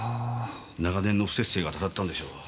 長年の不摂生が祟ったんでしょう。